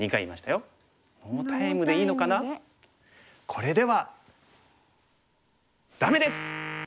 これではダメです！